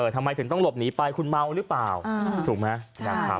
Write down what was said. ทำไมถึงต้องหลบหนีไปคุณเมาหรือเปล่าถูกไหมนะครับ